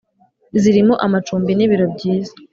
zirimo amacumbi n’ibiro byiza